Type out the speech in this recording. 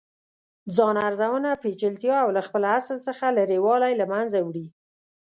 ځان ارزونه پیچلتیا او له خپل اصل څخه لرې والې له منځه وړي.